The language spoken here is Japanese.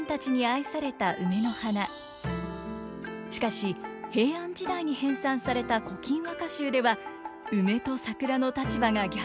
しかし平安時代に編纂された「古今和歌集」では梅と桜の立場が逆転。